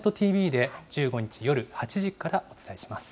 ＴＶで１５日夜８時からお伝えします。